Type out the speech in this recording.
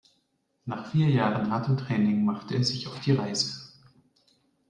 Nach vier Jahren hartem Training macht er sich auf die Reise.